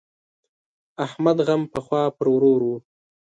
احمد غم پخوا پر ورور وو.